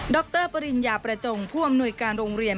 รปริญญาประจงผู้อำนวยการโรงเรียน